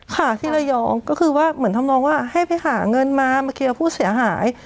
ค่ะที่ระยองก็คือว่าเหมือนทำนองว่าให้ไปหาเงินมามาเคลียร์ผู้เสียหาย